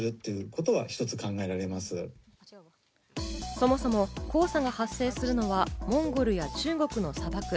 そもそも黄砂が発生するのはモンゴルや中国の砂漠。